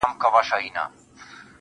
• څڼي سرې شونډي تكي تـوري سترگي.